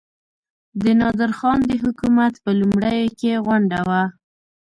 د نادرخان د حکومت په لومړیو کې غونډه وه.